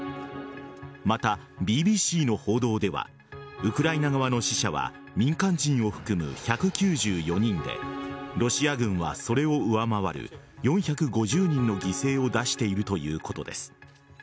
また、ＢＢＣの報道ではウクライナ側の死者は民間人を含む１９４人でロシア軍はそれを上回る４５０人の犠牲を出しているということです。